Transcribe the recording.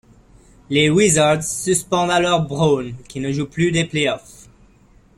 Les Wizards suspendent alors Brown, qui ne joue plus des playoffs.